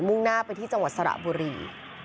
่งหน้าไปที่จังหวัดสระบุรี